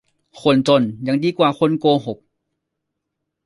คนจนยังดีกว่าคนโกหก